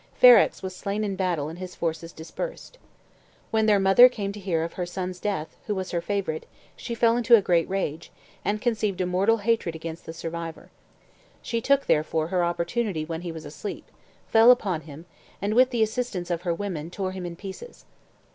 Ferrex was slain in battle and his forces dispersed. When their mother came to hear of her son's death, who was her favorite, she fell into a great rage, and conceived a mortal hatred against the survivor. She took, therefore, her opportunity when he was asleep, fell upon him, and, with the assistance of her women, tore him in pieces.